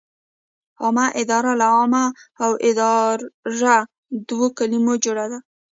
عامه اداره له عامه او اداره دوو کلمو جوړه ده.